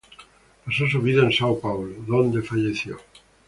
Pasó su vida en São Paulo, donde falleció.